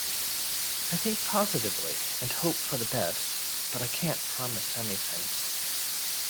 I think positively and hope for the best, but I can't promise anything.